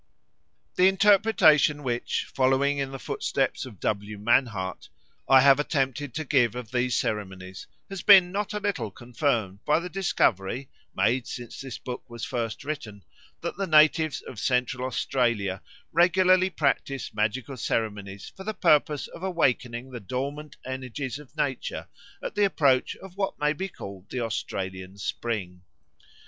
The interpretation which, following in the footsteps of W. Mannhardt, I have attempted to give of these ceremonies has been not a little confirmed by the discovery, made since this book was first written, that the natives of Central Australia regularly practise magical ceremonies for the purpose of awakening the dormant energies of nature at the approach of what may be called the Australian spring.